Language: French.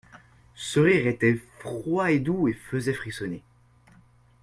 Ce rire était froid et doux, et faisait frissonner.